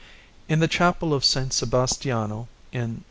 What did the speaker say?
In the Chapel of S. Sebastiano in S.